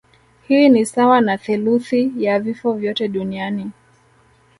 Hii ni sawa na theluthi ya vifo vyote duniani